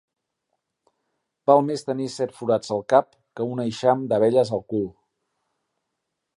Val més tenir set forats al cap, que un eixam d'abelles al cul.